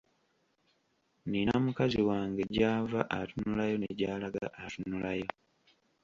Nnina mukazi wange gy'ava atunulayo ne gy'alaga atunulayo.